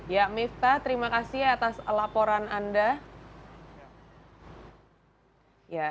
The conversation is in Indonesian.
ya mifta terima kasih atas laporan anda